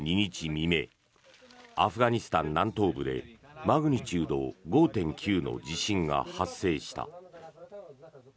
未明アフガニスタン南東部でマグニチュード５．９の地震が発生した。